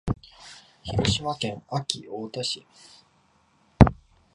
広島県安芸太田町